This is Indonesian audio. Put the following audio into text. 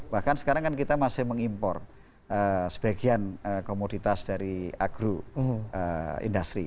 bahkan sekarang kan kita masih mengimpor sebagian komoditas dari agro industri